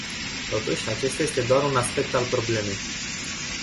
Totuși, acesta este doar un aspect al problemei.